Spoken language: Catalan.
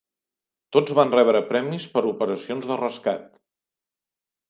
Tots van rebre premis per operacions de rescat.